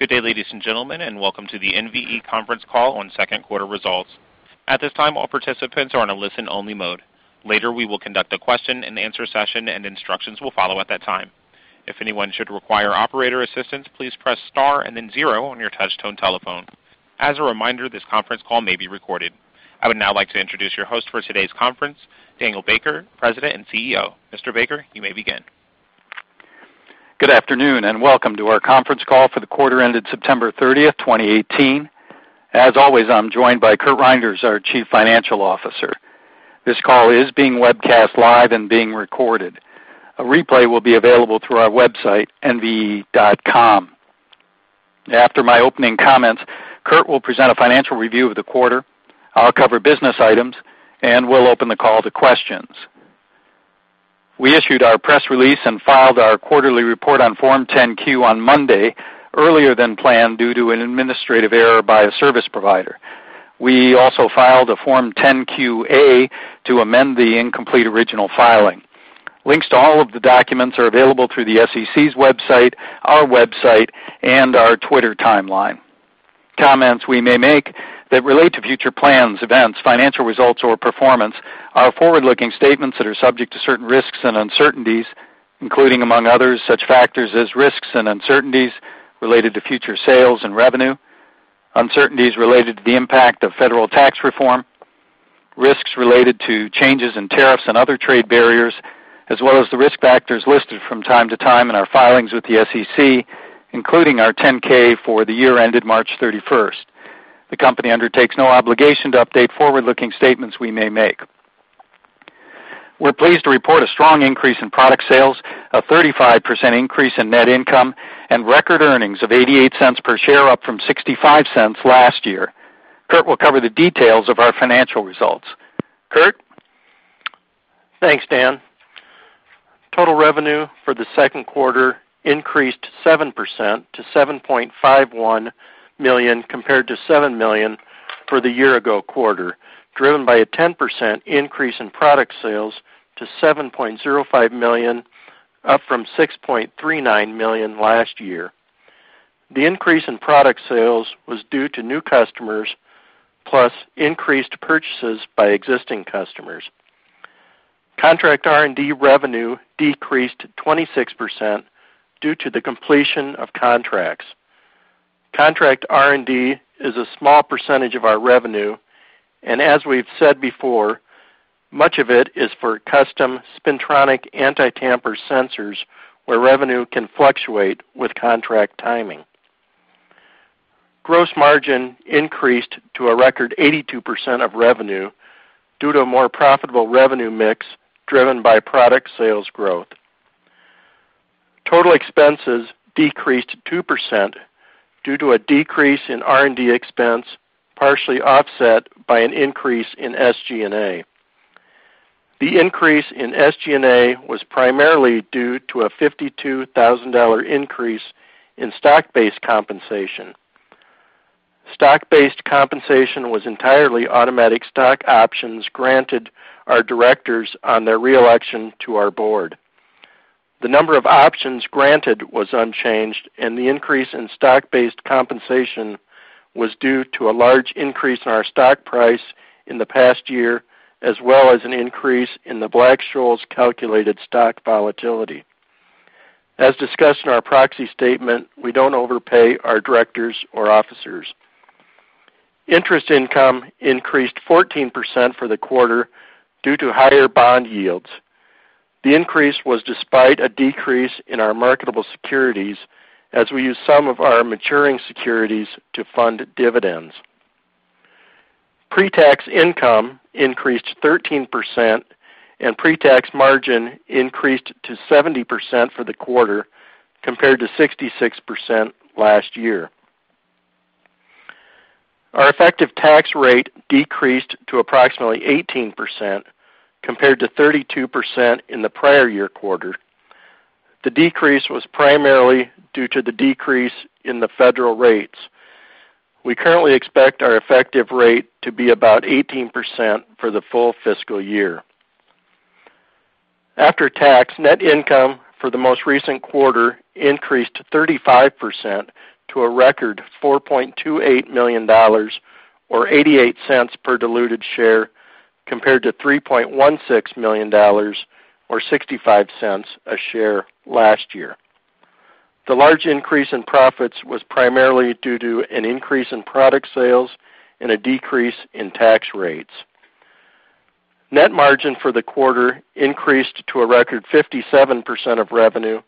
Good day, ladies and gentlemen, and welcome to the NVE conference call on second quarter results. At this time, all participants are in a listen-only mode. Later, we will conduct a question-and-answer session, and instructions will follow at that time. If anyone should require operator assistance, please press star and then zero on your touch-tone telephone. As a reminder, this conference call may be recorded. I would now like to introduce your host for today's conference, Daniel Baker, President and CEO. Mr. Baker, you may begin. Good afternoon, and welcome to our conference call for the quarter ended September 30th, 2018. As always, I'm joined by Kurt Reinders, our Chief Financial Officer. This call is being webcast live and being recorded. A replay will be available through our website, nve.com. After my opening comments, Kurt will present a financial review of the quarter. I'll cover business items, and we'll open the call to questions. We issued our press release and filed our quarterly report on Form 10-Q on Monday, earlier than planned due to an administrative error by a service provider. We also filed a Form 10-Q/A to amend the incomplete original filing. Links to all of the documents are available through the SEC's website, our website, and our Twitter timeline. Comments we may make that relate to future plans, events, financial results, or performance are forward-looking statements that are subject to certain risks and uncertainties, including, among others, such factors as risks and uncertainties related to future sales and revenue, uncertainties related to the impact of federal tax reform, risks related to changes in tariffs and other trade barriers, as well as the risk factors listed from time to time in our filings with the SEC, including our 10-K for the year ended March 31st. The company undertakes no obligation to update forward-looking statements we may make. We're pleased to report a strong increase in product sales, a 35% increase in net income, and record earnings of $0.88 per share, up from $0.65 last year. Curt will cover the details of our financial results. Curt? Thanks, Dan. Total revenue for the second quarter increased 7% to $7.51 million compared to $7 million for the year-ago quarter, driven by a 10% increase in product sales to $7.05 million, up from $6.39 million last year. The increase in product sales was due to new customers plus increased purchases by existing customers. Contract R&D revenue decreased 26% due to the completion of contracts. Contract R&D is a small percentage of our revenue, and as we've said before, much of it is for custom spintronic anti-tamper sensors, where revenue can fluctuate with contract timing. Gross margin increased to a record 82% of revenue due to a more profitable revenue mix driven by product sales growth. Total expenses decreased 2% due to a decrease in R&D expense, partially offset by an increase in SG&A. The increase in SG&A was primarily due to a $52,000 increase in stock-based compensation. Stock-based compensation was entirely automatic stock options granted our directors on their re-election to our board. The number of options granted was unchanged, and the increase in stock-based compensation was due to a large increase in our stock price in the past year, as well as an increase in the Black-Scholes calculated stock volatility. As discussed in our proxy statement, we don't overpay our directors or officers. Interest income increased 14% for the quarter due to higher bond yields. The increase was despite a decrease in our marketable securities as we used some of our maturing securities to fund dividends. Pre-tax income increased 13%, and pre-tax margin increased to 70% for the quarter, compared to 66% last year. Our effective tax rate decreased to approximately 18%, compared to 32% in the prior year quarter. The decrease was primarily due to the decrease in the federal rates. We currently expect our effective rate to be about 18% for the full fiscal year. After tax, net income for the most recent quarter increased 35% to a record $4.28 million, or $0.88 per diluted share, compared to $3.16 million, or $0.65 a share last year. The large increase in profits was primarily due to an increase in product sales and a decrease in tax rates. Net margin for the quarter increased to a record 57% of revenue,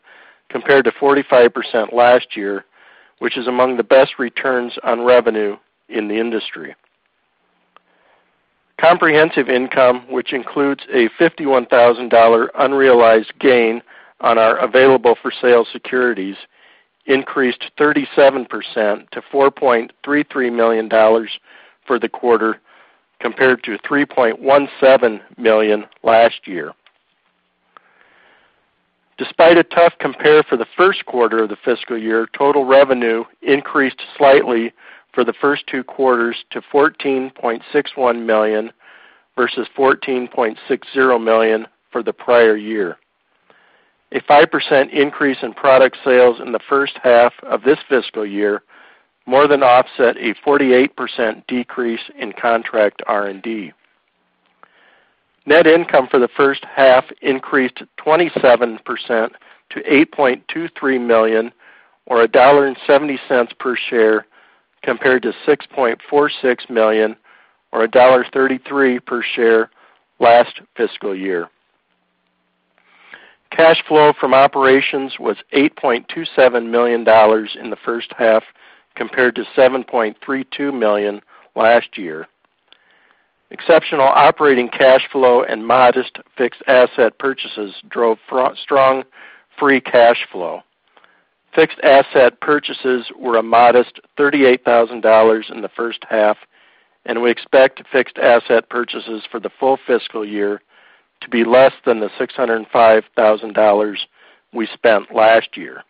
compared to 45% last year, which is among the best returns on revenue in the industry. Comprehensive income, which includes a $51,000 unrealized gain on our available-for-sale securities, increased 37% to $4.33 million for the quarter, compared to $3.17 million last year. Despite a tough compare for the first quarter of the fiscal year, total revenue increased slightly for the first two quarters to $14.61 million versus $14.60 million for the prior year. A 5% increase in product sales in the first half of this fiscal year, more than offset a 48% decrease in contract R&D. Net income for the first half increased 27% to $8.23 million, or $1.70 per share, compared to $6.46 million or $1.33 per share last fiscal year. Cash flow from operations was $8.27 million in the first half, compared to $7.32 million last year. Exceptional operating cash flow and modest fixed asset purchases drove strong free cash flow. Fixed asset purchases were a modest $38,000 in the first half, and we expect fixed asset purchases for the full fiscal year to be less than the $605,000 we spent last year.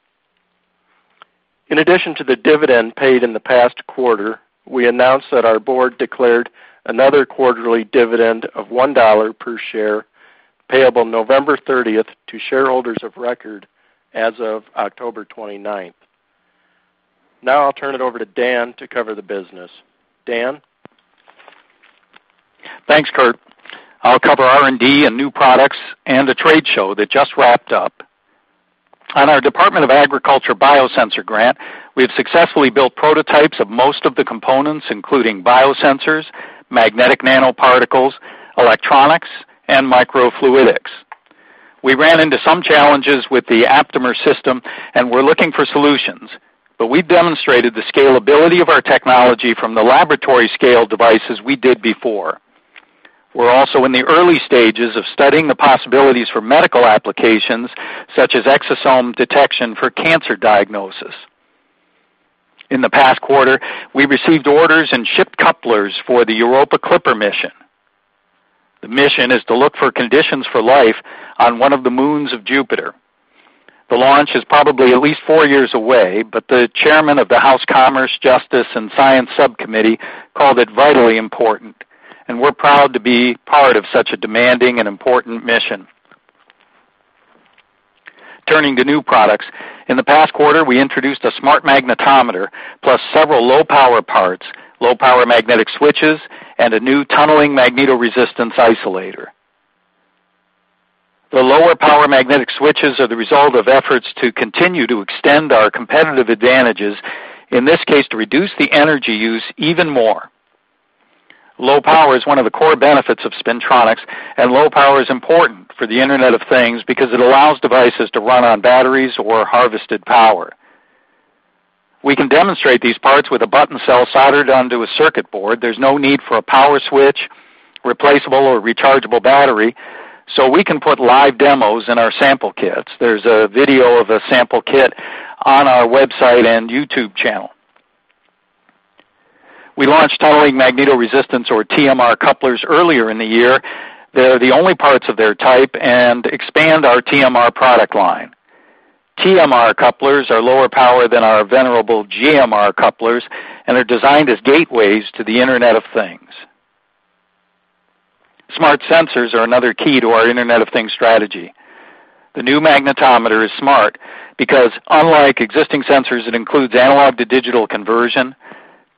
In addition to the dividend paid in the past quarter, we announced that our board declared another quarterly dividend of $1 per share, payable November 30th to shareholders of record as of October 29th. Now I'll turn it over to Dan to cover the business. Dan? Thanks, Curt. I'll cover R&D and new products and a trade show that just wrapped up. On our United States Department of Agriculture biosensor grant, we have successfully built prototypes of most of the components, including biosensors, magnetic nanoparticles, electronics, and microfluidics. We ran into some challenges with the Aptamer system and we're looking for solutions, but we've demonstrated the scalability of our technology from the laboratory scale devices we did before. We're also in the early stages of studying the possibilities for medical applications such as exosome detection for cancer diagnosis. In the past quarter, we received orders and shipped couplers for the Europa Clipper mission. The mission is to look for conditions for life on one of the moons of Jupiter. The launch is probably at least four years away, but the chairman of the House Appropriations Subcommittee on Commerce, Justice, Science, and Related Agencies called it vitally important, and we're proud to be part of such a demanding and important mission. Turning to new products. In the past quarter, we introduced a smart magnetometer plus several low-power parts, low-power magnetic switches, and a new tunneling magnetoresistance isolator. The lower power magnetic switches are the result of efforts to continue to extend our competitive advantages, in this case, to reduce the energy use even more. Low power is one of the core benefits of spintronics, and low power is important for the Internet of Things because it allows devices to run on batteries or harvested power. We can demonstrate these parts with a button cell soldered onto a circuit board. There's no need for a power switch, replaceable or rechargeable battery, we can put live demos in our sample kits. There's a video of a sample kit on our website and YouTube channel. We launched tunneling magnetoresistance, or TMR couplers, earlier in the year. They're the only parts of their type and expand our TMR product line. TMR couplers are lower power than our venerable GMR couplers and are designed as gateways to the Internet of Things. Smart sensors are another key to our Internet of Things strategy. The new magnetometer is smart because, unlike existing sensors, it includes analog-to-digital conversion,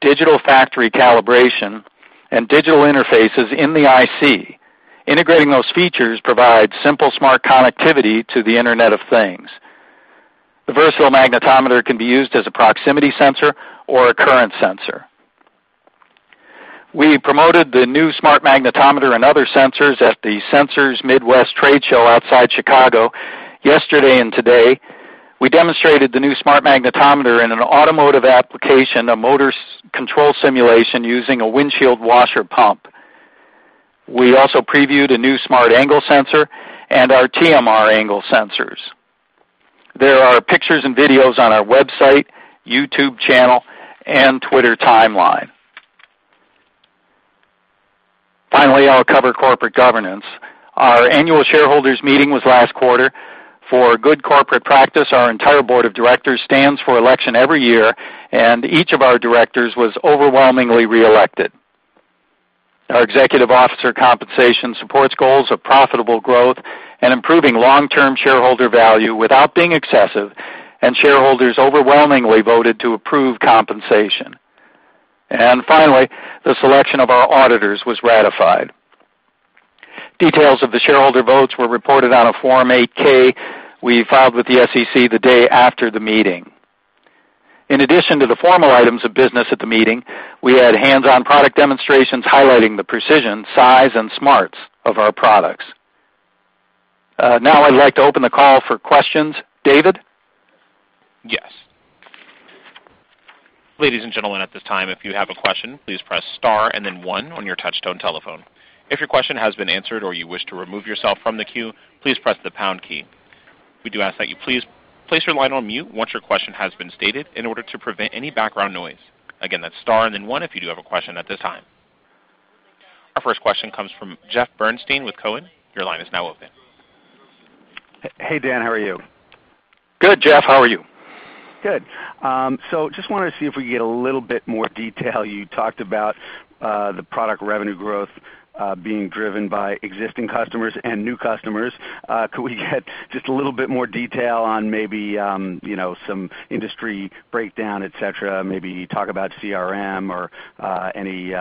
digital factory calibration, and digital interfaces in the IC. Integrating those features provides simple smart connectivity to the Internet of Things. The versatile magnetometer can be used as a proximity sensor or a current sensor. We promoted the new smart magnetometer and other sensors at the Sensors Midwest trade show outside Chicago yesterday and today. We demonstrated the new smart magnetometer in an automotive application, a motor control simulation using a windshield washer pump. We also previewed a new smart angle sensor and our TMR angle sensors. There are pictures and videos on our website, YouTube channel, and Twitter timeline. Finally, I'll cover corporate governance. Our annual shareholders meeting was last quarter. For good corporate practice, our entire board of directors stands for election every year, and each of our directors was overwhelmingly reelected. Our executive officer compensation supports goals of profitable growth and improving long-term shareholder value without being excessive, and shareholders overwhelmingly voted to approve compensation. Finally, the selection of our auditors was ratified. Details of the shareholder votes were reported on a Form 8-K we filed with the SEC the day after the meeting. In addition to the formal items of business at the meeting, we had hands-on product demonstrations highlighting the precision, size, and smarts of our products. Now I'd like to open the call for questions. David? Yes. Ladies and gentlemen, at this time, if you have a question, please press star and then one on your touch tone telephone. If your question has been answered or you wish to remove yourself from the queue, please press the pound key. We do ask that you please place your line on mute once your question has been stated, in order to prevent any background noise. Again, that's star and then one if you do have a question at this time. Our first question comes from Jeff Bernstein with Cowen. Your line is now open. Hey, Dan, how are you? Good, Jeff, how are you? Good. Just wanted to see if we could get a little bit more detail. You talked about the product revenue growth being driven by existing customers and new customers. Could we get just a little bit more detail on maybe some industry breakdown, et cetera, maybe talk about CRM or any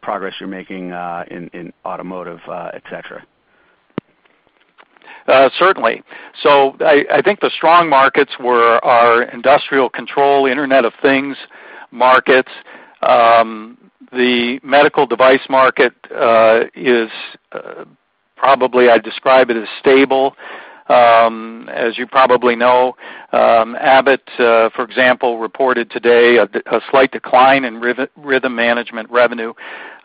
progress you're making in automotive, et cetera? Certainly. I think the strong markets were our industrial control, Internet of Things markets. The medical device market is probably, I'd describe it as stable. As you probably know, Abbott, for example, reported today a slight decline in rhythm management revenue.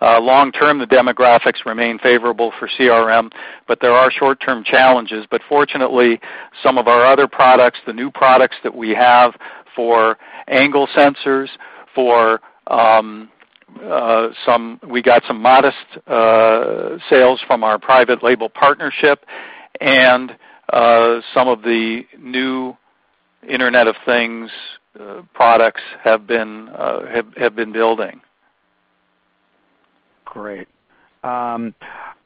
Long term, the demographics remain favorable for CRM, but there are short-term challenges. Fortunately, some of our other products, the new products that we have for angle sensors, we got some modest sales from our private label partnership, and some of the new Internet of Things products have been building. Great.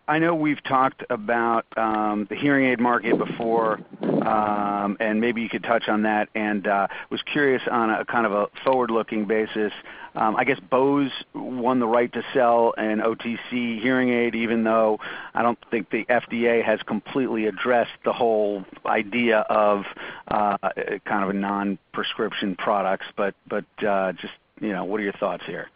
I know we've talked about the hearing aid market before, and maybe you could touch on that. Was curious on a kind of forward-looking basis. I guess Bose won the right to sell an OTC hearing aid, even though I don't think the FDA has completely addressed the whole idea of a non-prescription products, just what are your thoughts here?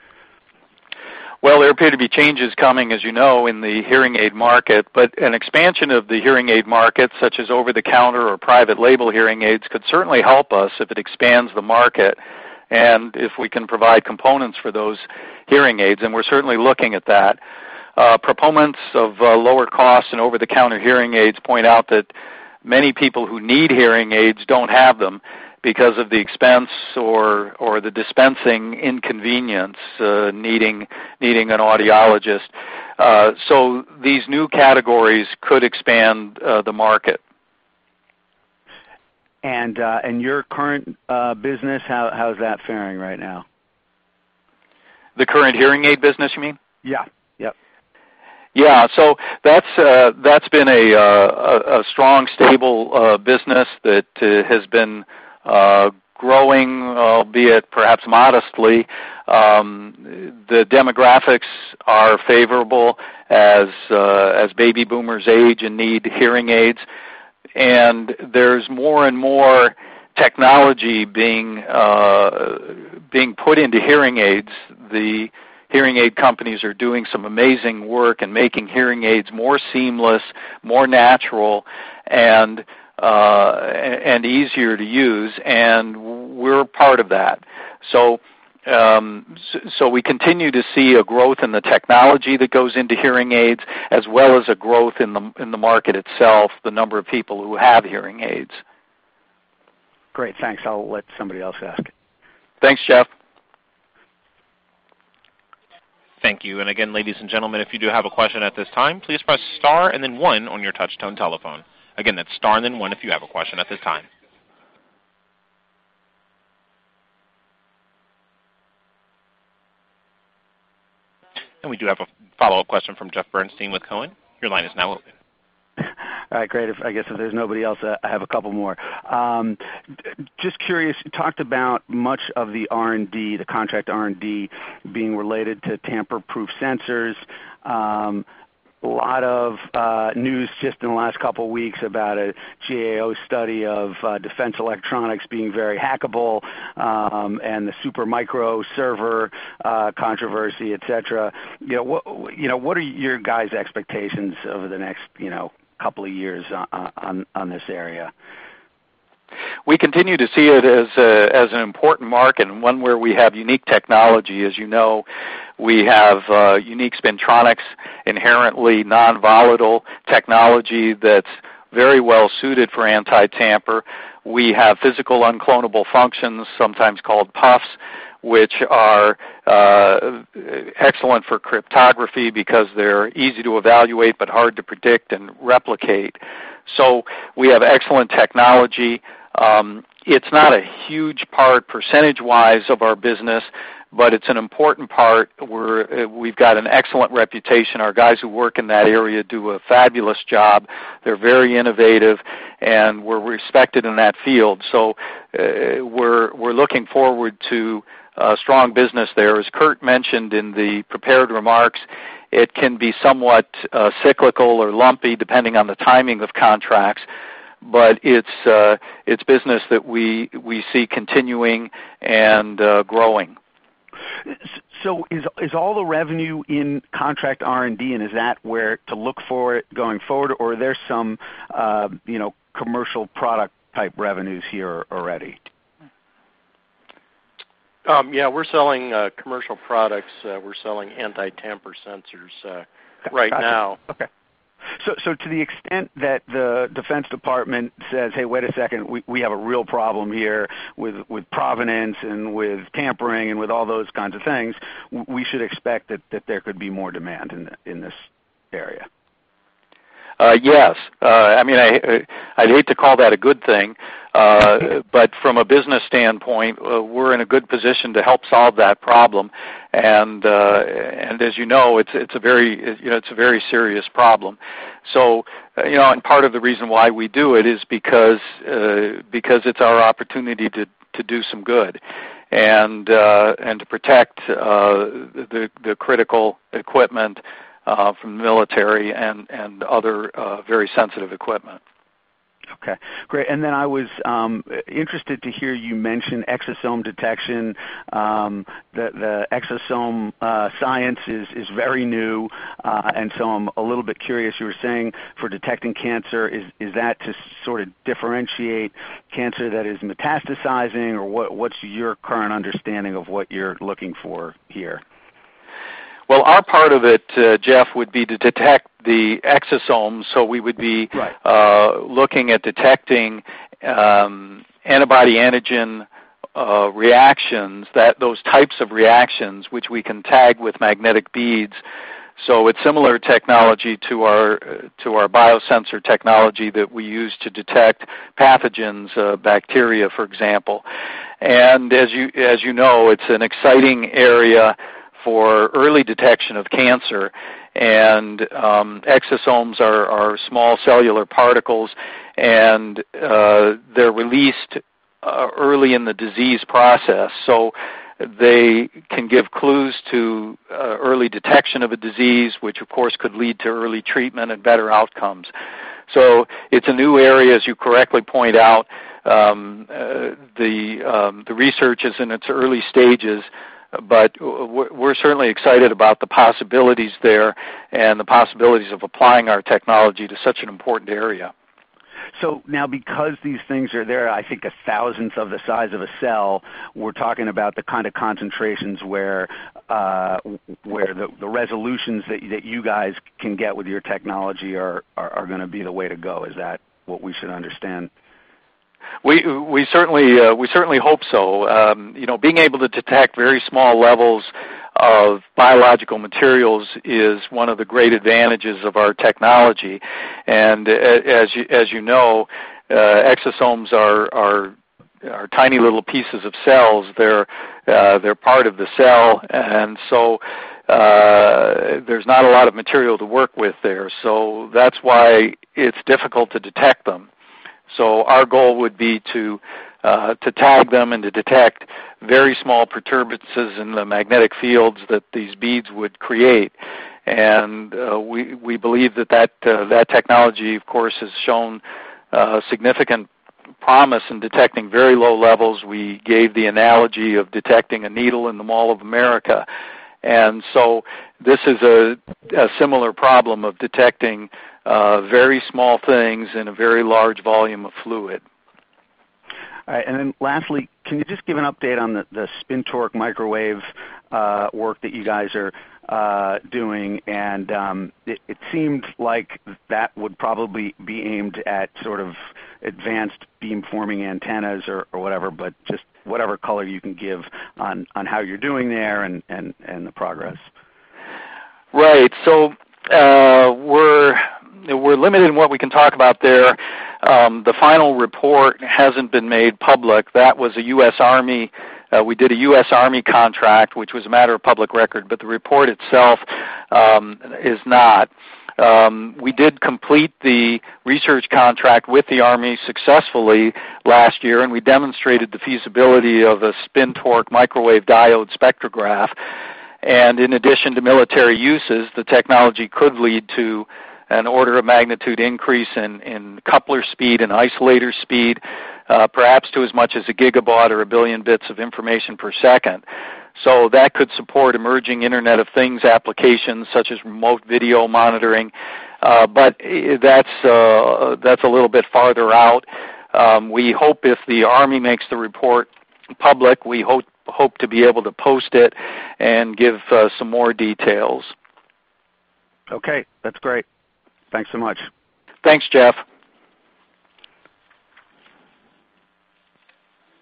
Well, there appear to be changes coming, as you know, in the hearing aid market, but an expansion of the hearing aid market, such as over-the-counter or private label hearing aids, could certainly help us if it expands the market and if we can provide components for those hearing aids, and we're certainly looking at that. Proponents of lower cost and over-the-counter hearing aids point out that many people who need hearing aids don't have them because of the expense or the dispensing inconvenience, needing an audiologist. These new categories could expand the market. Your current business, how's that faring right now? The current hearing aid business, you mean? Yeah. Yeah. That's been a strong, stable business that has been growing, albeit perhaps modestly. The demographics are favorable as baby boomers age and need hearing aids, and there's more and more technology being put into hearing aids. The hearing aid companies are doing some amazing work and making hearing aids more seamless, more natural, and easier to use, and we're a part of that. We continue to see a growth in the technology that goes into hearing aids, as well as a growth in the market itself, the number of people who have hearing aids. Great, thanks. I'll let somebody else ask. Thanks, Jeff. Thank you. Again, ladies and gentlemen, if you do have a question at this time, please press star and then one on your touch-tone telephone. Again, that's star and then one if you have a question at this time. We do have a follow-up question from Jeff Bernstein with Cowen. Your line is now open. All right, great. If I guess if there's nobody else, I have a couple more. Just curious, you talked about much of the R&D, the contract R&D, being related to tamper-proof sensors. Lot of news just in the last couple of weeks about a GAO study of defense electronics being very hackable, and the Supermicro server controversy, et cetera. What are your guys' expectations over the next couple of years on this area? We continue to see it as an important market and one where we have unique technology. As you know, we have unique Spintronics, inherently non-volatile technology that's very well-suited for anti-tamper. We have physical unclonable functions, sometimes called PUFs, which are excellent for cryptography because they're easy to evaluate but hard to predict and replicate. We have excellent technology. It's not a huge part percentage-wise of our business, but it's an important part. We've got an excellent reputation. Our guys who work in that area do a fabulous job. They're very innovative, and we're respected in that field. We're looking forward to a strong business there. As Curt mentioned in the prepared remarks, it can be somewhat cyclical or lumpy, depending on the timing of contracts, but it's business that we see continuing and growing. Is all the revenue in contract R&D, and is that where to look for it going forward, or are there some commercial product type revenues here already? Yeah, we're selling commercial products. We're selling anti-tamper sensors right now. Okay. To the extent that the Defense Department says, "Hey, wait a second. We have a real problem here with provenance and with tampering and with all those kinds of things," we should expect that there could be more demand in this area? Yes. I'd hate to call that a good thing, but from a business standpoint, we're in a good position to help solve that problem, and as you know, it's a very serious problem. Part of the reason why we do it is because it's our opportunity to do some good and to protect the critical equipment from the military and other very sensitive equipment. Okay, great. I was interested to hear you mention exosome detection. The exosome science is very new. I'm a little bit curious. You were saying for detecting cancer, is that to sort of differentiate cancer that is metastasizing, or what's your current understanding of what you're looking for here? Well, our part of it, Jeff, would be to detect the exosomes. We would be- Right looking at detecting antibody-antigen reactions, those types of reactions which we can tag with magnetic beads. It's similar technology to our biosensor technology that we use to detect pathogens, bacteria, for example. As you know, it's an exciting area for early detection of cancer. Exosomes are small cellular particles, and they're released early in the disease process. They can give clues to early detection of a disease, which, of course, could lead to early treatment and better outcomes. It's a new area, as you correctly point out. The research is in its early stages, but we're certainly excited about the possibilities there and the possibilities of applying our technology to such an important area. Now because these things are there, I think, a thousandth of the size of a cell, we're talking about the kind of concentrations where the resolutions that you guys can get with your technology are going to be the way to go. Is that what we should understand? We certainly hope so. Being able to detect very small levels of biological materials is one of the great advantages of our technology, and as you know, exosomes are tiny little pieces of cells. They're part of the cell. There's not a lot of material to work with there. That's why it's difficult to detect them. Our goal would be to tag them and to detect very small perturbances in the magnetic fields that these beads would create. We believe that technology, of course, has shown significant promise in detecting very low levels. We gave the analogy of detecting a needle in the Mall of America. This is a similar problem of detecting very small things in a very large volume of fluid. All right. Lastly, can you just give an update on the spin-torque microwave work that you guys are doing? It seems like that would probably be aimed at sort of advanced beamforming antennas or whatever, but just whatever color you can give on how you're doing there and the progress. Right. We're limited in what we can talk about there. The final report hasn't been made public. We did a U.S. Army contract, which was a matter of public record, but the report itself is not. We did complete the research contract with the Army successfully last year, and we demonstrated the feasibility of a spin-torque microwave diode spectrograph. In addition to military uses, the technology could lead to an order of magnitude increase in coupler speed and isolator speed, perhaps to as much as a gigabaud or 1 billion bits of information per second. That could support emerging Internet of Things applications such as remote video monitoring. That's a little bit farther out. We hope if the Army makes the report public, we hope to be able to post it and give some more details. Okay, that's great. Thanks so much. Thanks, Jeff.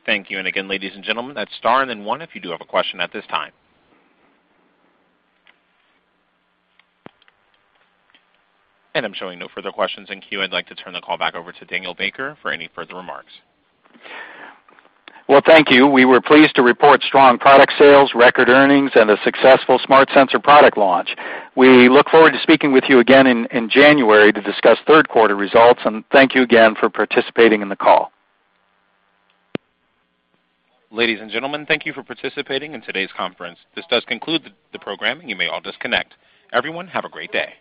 Thank you. Again, ladies and gentlemen, that's star and then one if you do have a question at this time. I'm showing no further questions in queue. I'd like to turn the call back over to Daniel Baker for any further remarks. Well, thank you. We were pleased to report strong product sales, record earnings, and a successful smart sensor product launch. We look forward to speaking with you again in January to discuss third quarter results, and thank you again for participating in the call. Ladies and gentlemen, thank you for participating in today's conference. This does conclude the program, and you may all disconnect. Everyone, have a great day.